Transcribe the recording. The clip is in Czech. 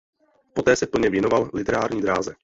Poté se plně věnoval literární dráze.